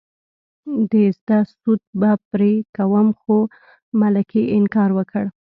د زده سود به پرې کوم خو ملکې انکار وکړ.